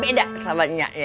beda sama nyak nye